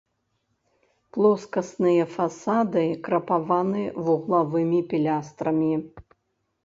Плоскасныя фасады крапаваны вуглавымі пілястрамі.